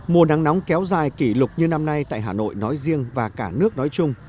mùa nắng nóng kéo dài kỷ lục như năm nay tại hà nội nói riêng và cả nước nói chung